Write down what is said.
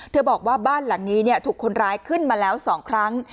บอกว่าบ้านหลังนี้ถูกคนร้ายขึ้นมาแล้ว๒ครั้ง